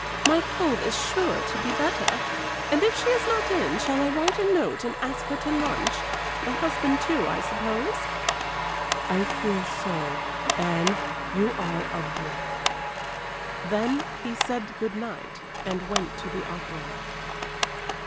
"My cold is sure to be better; and if she is not in, shall I write a note and ask her to lunch? The husband, too, I suppose?" "I fear so. Anne, you are a brick." Then he said good night, and went to the opera.